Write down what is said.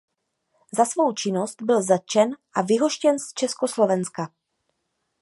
Za svou činnost byl zatčen a vyhoštěn z Československa.